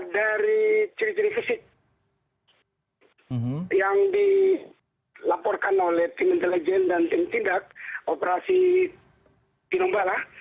dari ciri ciri fisik yang dilaporkan oleh tim intelijen dan tim tindak operasi tinombala